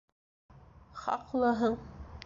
Хаҡлыһың.